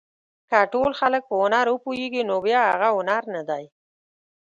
که ټول خلک په هنر وپوهېږي نو بیا هغه هنر نه دی.